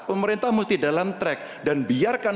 pemerintah mesti dalam track dan biarkan